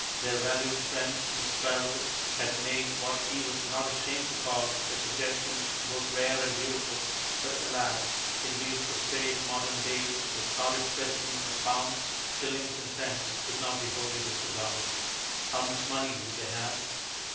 Their valued friend Miss Travers had made what he was not ashamed to call a suggestion both rare and beautiful, but alas! in these prosaic modern days the sordid question of pounds, shillings and pence could not be wholly disregarded. How much money would they have?